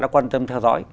đã quan tâm theo dõi